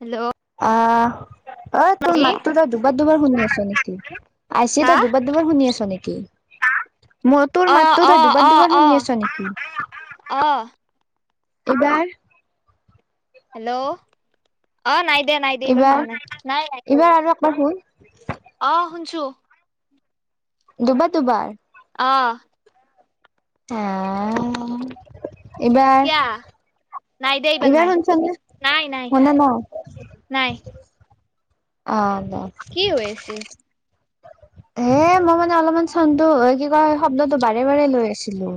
Hello, অ, অ, তোৰ মাইজি মাতটো তই দুবাৰ দুবাৰ শুনি পাই আছো। আইছে হা তই দুবাৰ দুবাৰ শুনি আছ নেকি? মই তোৰ অ মাতটো অ তই দুবাৰ অ দুবাৰ অ শুনি আছ অ নেকি? এইবাৰ? হেল্ল, অ, নাই দেিয়া নাই দেিয়া এইবাৰ শুনা নাই নাই নাই। [inaudible] অ, সোনছো। দুবাৰ- দুবাৰ। অ, আহ, এইবাৰ? কিয়া নাই দে এইবাৰ নাই ইবাৰ সোনিচা নে? নাই নাই সোনা নাই। নাই অ, কি হৈ আছিল? হে মই মানে অলপমান চাউনটো কি কয় শব্দটো বাৰে বাৰে লৈ আছিলোঁ।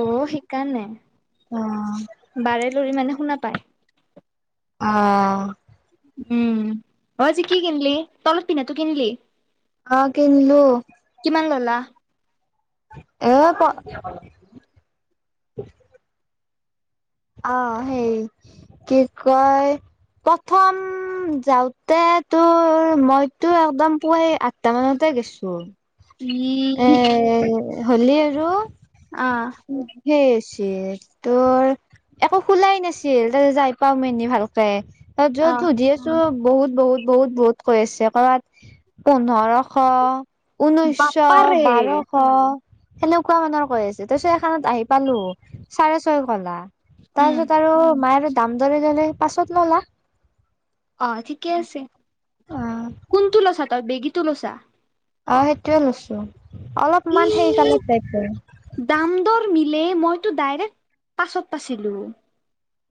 অ', সেই কাৰণে অ বাৰে লৰি মানে শুনা পায়। অ' উম অ', আজি কি কিনিলি তলত পিন্ধাটো কিনিলি? অ', কিনিলো কিমান ল'লা? [unintelligible] অ', সেই কি কয় প্ৰথম যাওঁতে তোৰ মইতো একদম পুৱাই টামানতে গেছো। [inaudible] এ হলি আৰু অ', [unintelligible] একো খোলাই নাছিল, তাতে যাই পাও মি ভালকে ত যত আহ ধুধি। বহুত বহুত বহুত-বহুত কৈ আছে কৰ'বাত পোন্ধৰশ। ঊনৈশ বাপাৰে বাৰ অ', সেনেকুৱা মানৰ কৈ আছে, তই চ এখনত আহি পালো চাৰে ছয় কলা। উম তাৰপিছত আৰু মায়ে আৰু দাম দৰে ললে পাছত নলা। অ', ঠিকে আছে, কোনটো লছা তই বেগীতু লছা? অ', সেইটোয়ে লৈছো অলপমান সেই ই কালত যাইছ দাম দৰ মিলেই মইতো ডাইৰেক্ট পাছত পাইছিলোঁ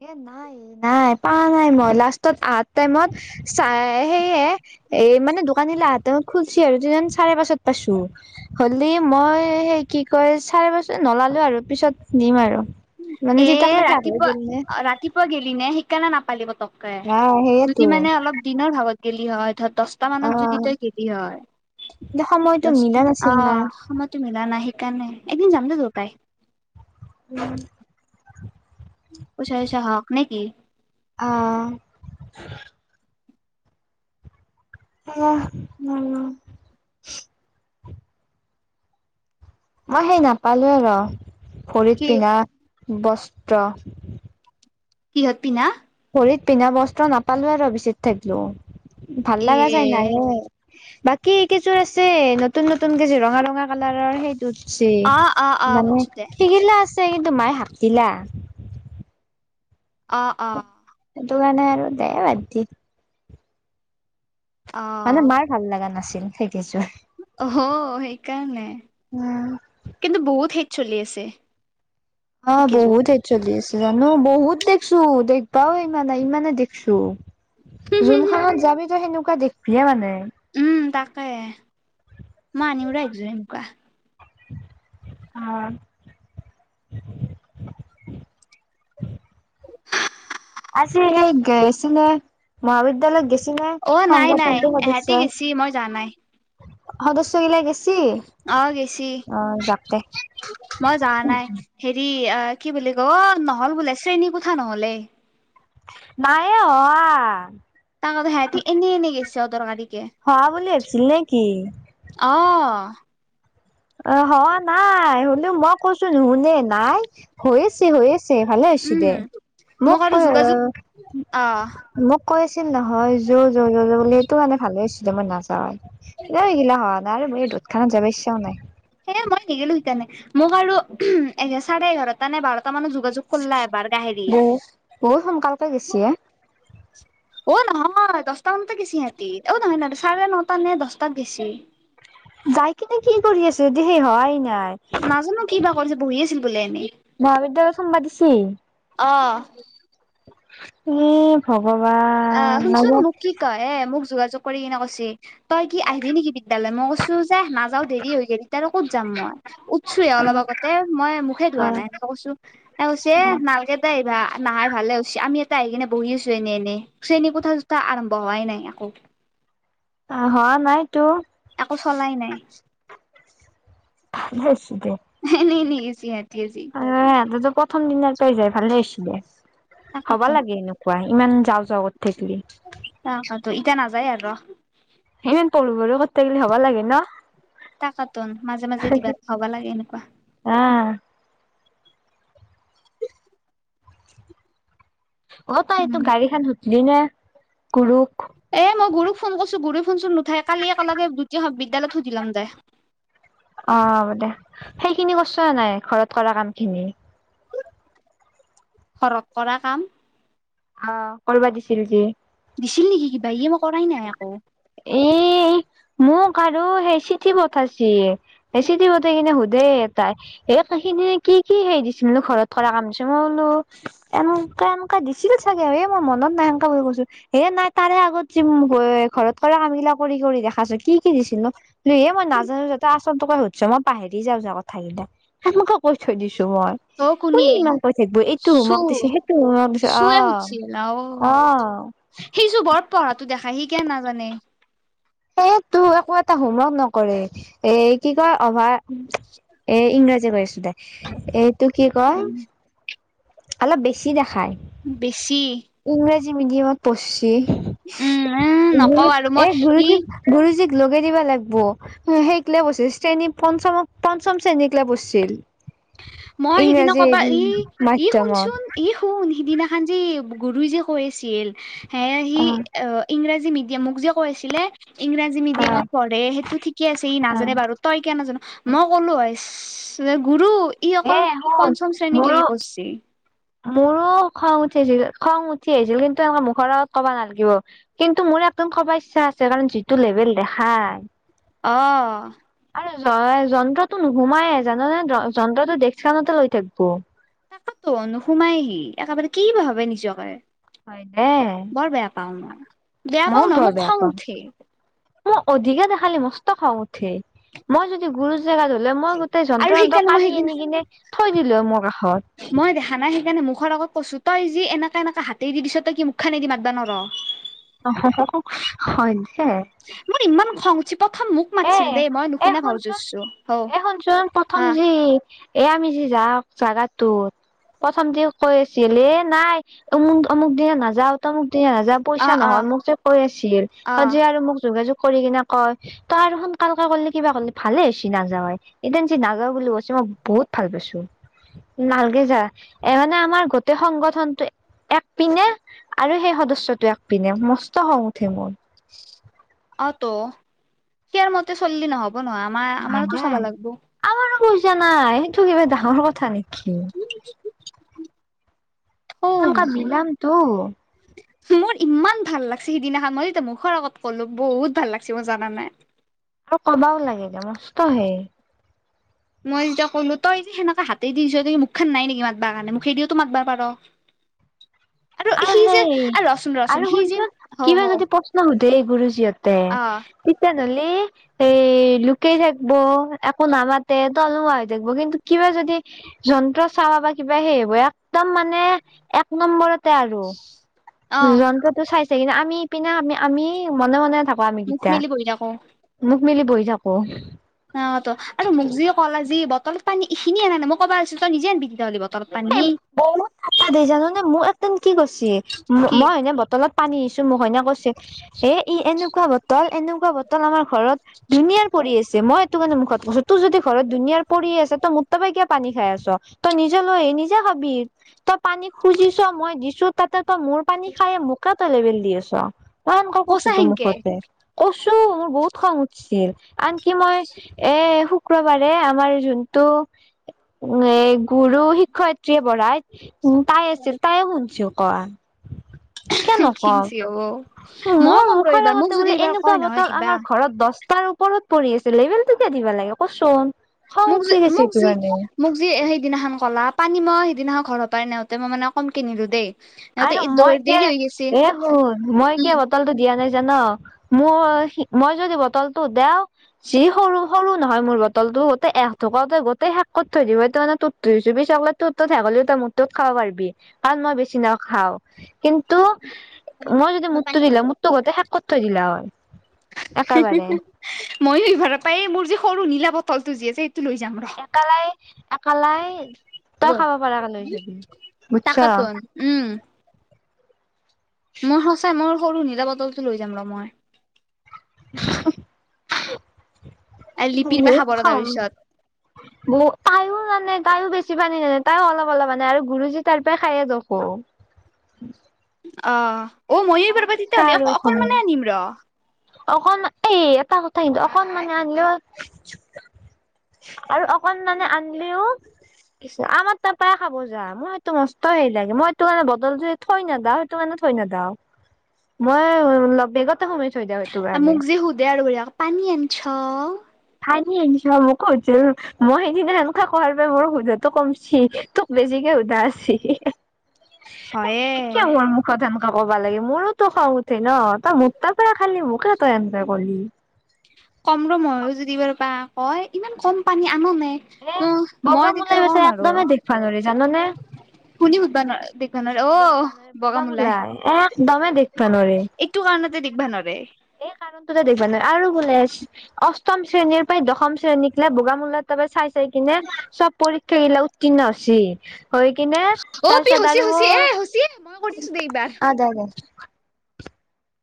এ নাই নাই পোৱা নাই মই লাষ্টত আ টাইমত চাই সে এই মানে দোকানীলাহতে ম খুলুলিছি আৰু ত চাৰে পাঁচত পাইছো হ'লি মই সেই কি কয় চাৰে বছৰ নলালো আৰু পিছত নিম আৰু মানে এ যতিকলে খোৰ হৈ ৰাতিপুৱা গ'ল নে ৰাতিপুৱা গেলি নে শিকনা নাপালি পতককে নাই দুদি সেয়েতো মানে অলপ দিনৰ ভাগত গেলি হয় ধৰ দহ অ মানত যদি তই খতি হয় সময়টো দচটা মিলা নাছিল না অ' মই তো মিলা ন সেইকাৰণাই একদিন যাম দে দুইতাই [inaudible] পচাইচা হওক নেকি অ', [inaudible] মই সেই নাপালো আৰু কি ভৰিত পিন্ধা বস্ত্ৰ কিহত পিনা ভৰিত পিন্ধা বস্ত্ৰ নাপালো আৰু বেচিত থাকিলো ভাল এ লগা যোই নাই বাকী কযোৰ আছে নতুন নতুন কযোৰ ৰঙা ৰঙা কালাৰৰ সেই অ অ অ তত মানে বুজছো দে শিকিলা আছে কিন্তু মায়ে হাক দিলা অ', অ' ইটো কাৰানে আৰু দে বাদ দি অ মানে মাৰ ভাল লগা নাছিল সেইছো হ সেইকাৰণে কিন্তু বহুত সেই চলি আছে। অ', সেইকেইযোৰ বহুত চল্লিশ হাজানো বহুত দেখছো দেখিবাও ইমানে ইমানে দেখছো যোনখনত যাবি তো সেনেকুৱা দেখিবিয়ে মানে উম তাকে মই আনিমৰা একযোৰ এনেকুৱা অ', [inaudible] আছে এই গেছিলে মহাবিদ্যালয়ত গছিল ন অ নাই নাই সংগঠনটো সদস্য, এহেঁতি গেছি মই যোৱা নাই সদস্য গিলাক গেছি অ', গেছি অ যাকতে মই যোৱা নাই হেৰি অ কি বুলি ক নহ'ল বোলে শ্ৰেণীকোঠা নহ'লে। [unintelligible] সেহেতি এনেই এনেই গেছে অদৰকাৰীকে। অহা বুলি ভাবিছিল নে কি? অ। অ হহোৱা নাই হ'লেও মই কৈছো নুশুনে নাই, হৈ আছে হৈ আছে আছে ভালেই হৈছে দে উম মোক আৰু কৈ যোগাযোগ অ মোক কৈ আছিল নহয় যো য য য বুলি এইটো মানে ভালে হৈছিলে মই নাযাওঁ। এইগিলা হোৱা নাই আৰু মোৰ এই ৰ'দখনত যাব ইচ্ছাও নাই। এ মই নেগেলো সেইকাৰণে মোক আৰু চাৰে এঘাৰটা নে বাৰটা মানত যোগাযোগ কলা এবাৰ গাহেৰি বহু বহুত সোনকালকে গেছে। অ নহয় দচটা মানতে গেছে সিহতি অ নহয় নহয় চাৰে নটা নে দচটাত গেছি। যাই কিনে কি কৰি আছে ইহঁতি শেষ হোৱাই নাই। নাজানো কিবা কৰিছে বঢ়ি আছিল বোলে এনেই। মহাবিদ্যালয়ত সোমবা দিছি অ [unintelligible] ভগৱান! আ শুনচোন নাযাওঁ মোক কি কয় এ মোক যোগাযোগ কৰি কিনে কৈছে তই কি আহিবি নিকি বিদ্যয়ালয়? মই কৈছো ছো যে নাযাও দেৰি হৈ গে'ল এতিয়া আৰু ক'ত যাম মই। উঠিছোহে অলপ আগতে মই মুখেই অ ধোৱা অ নাই তৰপা কৈছো এ কৈছে নালগে [unintelligible] নাহাই ভালেই হৈছে আমি ইয়াতে আহি কিনে বঢ়ি আছো এনেই এনেই। শ্ৰেণী কোঠা-চোঠা আৰম্ভ হোৱাই নাই একো। অ হোৱা নাইতো। আকো চলাই নাই। [unintelligible] দে। এনে এনেই গৈছে সিহঁতি আজি। এ সিহঁতেটো প্ৰথম দিনাৰ পাই যায় ভালেই হৈছে দে হ'ব তাকাতোন লাগে এনেও। [unintelligible] ইমান যাওঁ যাওঁ থাকিলি। [unintelligible] ইতিয়া নাযায় আৰু। ইমান পঢ়োঁ পঢ়োঁ কৰি থাকিলে হব লাগে ন? তাকেটোন মাজে মাজে দিবা হ'ব লাগে এনেকুৱা। আ। অ তই এইটো উম গাড়ীখন সুধলিনে গুৰুক? এ মই গুৰুক ফোন কৰিছো গুৰুয়ে ফোন-চোন নুঠাই কালি একেলগে দুটাই বিদ্যালয়ত সুধি লম দে। অ হ'ব দে। সেইখিনি কৰিছ নে নাই ঘৰত কৰা কামখিনি? ঘৰত কৰা কাম? অ কৰিবা দিছিল যে? দিছিল নিকি কিবা? ইয়ে মই কৰাই নাই একো। এই মোক আৰু সেই চিঠি পঠাইছে। এ চিঠি পঠাই কিনে সুধে এটাই এই সিদিনা কি কি হেৰি দিছিলনো ঘৰত কৰা কাম দিছে মই বোলো এনেকে কে দিছিল চাগে এই মই মনত নাই এনকে বুলি কৈছো হে নাই তাৰে আগত যে ঘৰত কৰা কামবিলাক কৰি কৰি দেখাইছ কি কি দিছিল নো? এই মই নাজানো যাতে আচলতোকে সুধিছ মই পাহেৰি যাওঁ কথাকেইটা। সেনেকে কৈ থৈ দিছো মই। কোনে ইমান কৈ থাকিব এইটো চু হোমৱৰ্ক দিছে সেইটো হোমৱৰ্ক দিছে আহ। আৰু সিচোন বৰ পঢ়াটো দেখাই সি কিয় নাজানে? এ তোৰ একো এটা হোমৱৰ্ক নকৰে এ কি কয় অভাৰ এ ইংৰাজী [unintelligible] এইটো কি কয় উম অলপ বেছি দেখাই। বেছি। ইংৰাজী মিডিয়ামত পঢ়িছে উম এ নকওঁ আৰু মই এই ই গৰুজিত গুৰুজীক লগাই দিব লাগিব। সেইকিলে বছিল শ্ৰেণী পঞ্চমক পঞ্চম শ্ৰেণীক লৈ বিছিল মই সিদিনা ইংৰাজী কবা ই ই শুনচোন মাধ্যমত। ই শুন সিদিনাখন যে গুৰু যে কৈছিল সে সি অ, ইংৰাজী মিডিয়াম মোক যে কৈ আছিলে ইংৰাজী অ মিডিয়ামত পঢ়ে সেইটো ঠিকে আছে ই অ নাজানে বাৰু, তই কে নাজানো মই ক'লো হয় যে গুৰু ই এ অকল শুন পঞ্চম শ্ৰেণীক মোৰো লৈকে কৰিছে। মোৰো খং উঠি আহছিল খং উঠি আহিছিল কিন্তু এনেকে মুখৰ আগত কবা নালাগিব। কিন্তু মোৰ একদম কবা ইচ্ছা আছে কাৰণ যিটো লেভেল দেখাই। অ, আৰু যন্ত্ৰটো নোসোমাইে জান নে যন্ত্ৰটো দেশখানতে লৈ থাকিব। তাকাতো নোসোমাইহি একেবাৰে কি বা ভাবে নিজকে। হয় দে। বৰ বেয়া পাওঁ মই। বেয়া মইও পাও নহয় বৰ মোক বেয়া খং উঠে পাওঁ মই অধিকে দেখালি মস্ত খাওঁ উঠে। মই যদি গুৰু জেগাত হলে মই গোটেই আৰু যন্ত্ৰ যন্ত্ৰ সেইকাৰণে মই কাঢ়ি সেইদিনা আনি কিনে থৈ দিলো মোৰ কাষত। মই দেখা নাই সেইকাৰণে মুখৰ আগত কৈছোঁ তই যেি এনেকা এনেককা হাতে দিছ তই কি মুখ খানেদিম ম [inaudible] হয় দে। মোৰ ইমান খং উথচে প্ৰথম মোক এ, মাতছিল দেই মই এ, নুশুনা ভাও শুনচোন জুৰছো হ এ শুনচোন হা প্ৰথম যি এ, আমি যি যাওক জাগাতটো প্ৰথম দি কৈ আছিল এ নাই অমুক অমুক দিনে নাযাও তমুক দিনে নাযাও আ পইচা আ নহয় মোক যে কৈ আছিল আ যে আৰু মোক যোগাযোগ কৰি কিনে কয় তই আৰু সোনকালকে কৰিলে কিবা কৰিলে ভালে হৈছে নাযাৱায়। এদ যি নাগা বুলিলো আছে মই বহুত ভাল পাইছোঁ। লালগে যা এ মানে আমাৰ গোটেই সংগঠনটো এক পিন্নে আৰু সেই সদস্য়টো এক পিন্ধনে মস্ত হওঁ উঠে মোৰ। অ, তো কিয়াৰ মতে চলি নহব। হ'ব নহয় আমাৰ হয় আমাৰতো দে, চাব লাগিব। আমাৰো কইজা নাই তোক কিবা ডাঙৰ কথা নেকি? কাম কা বিলামতো [inaudible] মোৰ ইমান ভাল লাগিছে সিদিনাখন মইতিয়া মুখৰ আগত ক'লো বহুত ভাল লাগিছে মই জানা নাই। আৰু কবাও লাগিল মস্ত হে। মই যেতিয়া কলো তই যে সেনেকে হাতে দিছ মুখ খান নাই নেকি মাতব কাৰণে মুখেদিও ত মাতবা পাৰ। [inaudible] আৰু সি যে সেই আৰু ৰচোন ৰচোন আৰু সি যে শুনচোন হৌ কিবা হৌ যদি প্ৰশ্ন সুধে গুৰুজীহতে, অ তেতি হ'লি এই লুোকেই থাকিব একো নামাতে, তলম হৈ থাকিব কিন্তু কিবা যদি যন্ত্ৰ চাবা বা কিবা সেই হব একদম মানে এক নম্বৰতে আৰু, অ জন্তুটো চাইছে কিন্তু আমি ইপিনে আমি আমি মনে মনে থাকো আমি মুখ কেইটা। মেলি বহি থাকো মোক মিলি বহি থাকো। অ ত আৰু মোক যি কলাি বলত পানী এইখিনি আনালে মই ক'বা আছিলো তই নিজে আনিবি তেতিয়াহ'লে তৰ পানী। [inaudible] ন কি কৈছে কি মই এনে বটলত পানী দিছোঁ মোকনে কৈছে হেই ই এনেকুৱা বটল এনেকুৱা বটল আমাৰ ঘৰত ধুনীয়াৰ পৰি আছে মই এইটো কাৰণে মুখত কৈছো তোৰ যদি ঘৰত ধুনীয়াৰ পৰি আছে তই ম তাপে কিয় পানী খাই আছ। ত নিজ নিজে খাবি তই পানী খুজিছ মই দিছোঁ তাতে তই মোৰ পানী খাই মোক কাক তাই লেবেল দি আছ, মাই সেনকে কৈছোঁ সঁচা তো সেনকে মুখতে। কৈছোঁ মোৰ বহুত খং উঠছিল আনকি মই এই শুক্ৰবাৰে আমাৰ যোনটো এ গুৰু শিক্ষয়ত্ৰীয়ে পঢ়াই উম, তাই আছিল তাই শুনছি কোৱা। কিয়া নকম, খিংচি হ'ব মই মোৰ ক'ম ৰ মুখৰ এইবাৰ মোক আগতে যদি বোলে এইবাৰ এনেকুৱা কয় নহয় বতল কিবা আমাৰ ঘৰত দহ [inaudible] ঘৰত পৰি আছিল বেলটো কিয় দিবা লাগে কচোন। খং মোক যি, উঠি গৈছে মোক এইটো যি, কাৰণে মোক যি সেইদিনাখন কলা পানী মই সেইদিনাখন ঘৰৰ পৰাই নেওঁতে মই মানে কমকে নিলো দেই। নেওঁতে আৰু ই দৌ মই কিয়া, দেৰি হৈ গৈছে এ শুন মই কিয়া বটলটো দিয়া নাই জান, মোৰ মই যদি বটলটো দেওঁ যি সৰু, সৰু নহয় মোৰ বটলটো গোটেই এ ধোকতে গোটেই শেষ কৰ থৈ দিব তাৰমানে তোৰটো [unintelligible] তোৰটোত শেষ হলিও তই মোক তোত খাবা পাৰিবি, কাৰণ মই বেছি নাখাওঁ কিন্তু মই যদি মোৰটো দিলা হয়, মোৰটো গোটেই শেষ কৰ থৈ দিলা হয়, একেবাৰে। মইয়ো এইবাৰ পাই মোৰ যে সৰু নীলা বটলটো যি আছে লৈ যাম ৰ'। একেলাই, একেলাই, তই খাব পাৰা এ কে লৈ যাবি বুজছ। তাকেতোন উম। মোৰ সঁচাই মোৰ সৰু নীলা বটলতটো লৈ যাম ৰ' মই। [unintelligible] লিপিৰ পে খাব ৰ' তাৰপিছত। ব তাইও নানে তাইয়ো বেছি পানী নানে, তাইও অলপ-অলপ আনে আৰু গুৰুজী তাৰ পৰা খায়ে দেখোন। অহ, অহ মইয়ো আমাৰ এইবাৰৰ শিক্ষা তেতিয়াহ'লে অকনমানে আনিম ৰ'। অকণ এই এটা কথা কিন্তু অকনমান আনলিও আৰু অকনমান আনলিওঁ কৃষ্ণ। আমাৰ তাৰপৰাই খাব যা মই সেইটো মষ্ট সেই লাগে মই সেইটো কাৰণে বদলটো থৈ নেদাও, সেইটো কাৰাণে থৈ নেদাও। মই [unintelligible] লগত বেগত। তাতে সোমেই থৈ দেওঁ। মোক যি আৰু বঢ়িয়াকে পানী আনছ। পানি আনছ, মোকও সুধছিল। মই সেইদিনা এনেকুৱা কোৱাৰ বাবে মোৰ সোধাটো কমছি তোক বেজিকে সোধা হৈছি। হয়ে। কিয়া মোৰ মুখত সেনেকুৱা কবা লাগে, মোৰোতো খং উঠ উঠে ন' তই মোৰ তাৰ পৰায়ে খালি। মোকয়ে তই এনকে কলি। কম ৰ' মইয়ো যদি এইবাৰপা কয় ইমান কম পানী আন নে। এ অহ, বগা মই মূলাই তেতিয়া কম বেচেৰা আৰু। একদমেই দেখবা নৰি জাননে শুনি সুধবা নৰা দেখভা নৰে দেখবা অহ, নৰে বগা বগামোলাই। মূলাই একদমেই দেখবা নৰে এইটো কাৰণতে দেখভা নৰে। এই কাৰণটোতে দেখিবা নহয় আৰু বোলে আছ অষ্টম শ্ৰেণীৰ পৰাই দশম শ্ৰেণীকলে বোগামোলাৰ তাতপে চাই-চাই চাই কিনে চব পৰীক্ষা গিলা উত্তীৰ্ণ হৈছি, হৈ কিনে তাৰপিছত আৰু হৈছি এ হৈছি এ মই কৰি আছো দেই এইবাৰ। অহ, দে-দে।